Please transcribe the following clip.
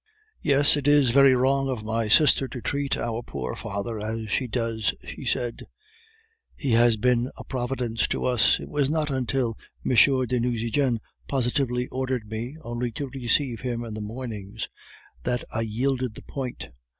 "Yes, it is very wrong of my sister to treat our poor father as she does," she said; "he has been a Providence to us. It was not until M. de Nucingen positively ordered me only to receive him in the mornings that I yielded the point.